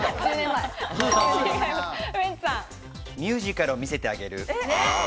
ミュージカルを見せてあげる。